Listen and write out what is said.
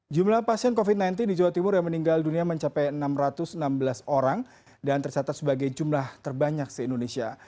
jumlah pasien covid sembilan belas di jawa timur yang meninggal dunia mencapai enam ratus enam belas orang dan tercatat sebagai jumlah terbanyak di indonesia